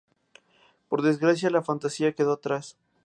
Por desgracia la fantasía quedó atrás.